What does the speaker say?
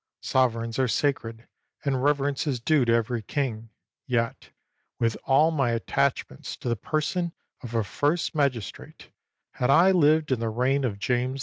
Sovereigns are sacred, and rever ence is due to every king; yet, with all my at tachments to the person of a first magistrate, had I lived in the reign of James II.